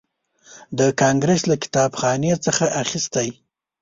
د کانګریس له کتابخانې څخه اخیستی.